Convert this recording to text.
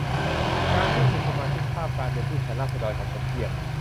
การสิ้นสุดสมาชิกภาพการเป็นผู้แทนราษฎรของผมเพียง